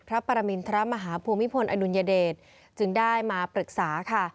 พระปรมินทรมาฮภูมิพลอดุลยเดชจึงได้มาปรึกษาค่ะ